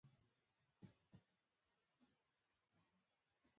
هو ومې لېد.